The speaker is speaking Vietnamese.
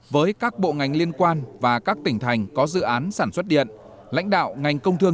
với các bộ ngành liên quan và các tỉnh thành có dự án sản xuất điện lãnh đạo ngành công thương